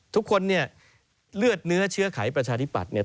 ทุกคนเนี่ยเลือดเนื้อเชื้อไขประชาธิปัตย์เนี่ย